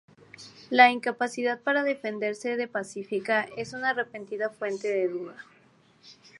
La incapacidad para defenderse de Pacífica es una repetida fuente de duda.